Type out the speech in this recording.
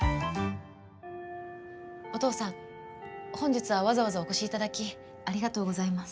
お父さん本日はわざわざお越しいただきありがとうございます。